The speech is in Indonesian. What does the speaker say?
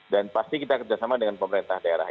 dan pasti kita kerjasama dengan pemerintah daerah